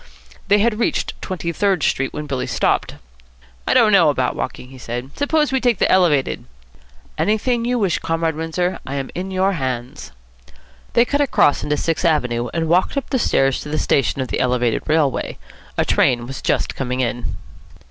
They had reached Twenty Third Street when Billy stopped. "I don't know about walking," he said. "Suppose we take the Elevated?" "Anything you wish, Comrade Windsor. I am in your hands." They cut across into Sixth Avenue, and walked up the stairs to the station of the Elevated Railway. A train was just coming in.